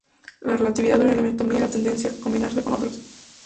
La reactividad de un elemento mide la tendencia a combinarse con otros.